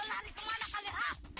lari ke mana kalian